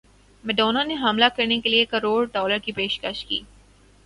Madonna نے حاملہ کرنے کیلئے کروڑ ڈالر کی پیشکش کی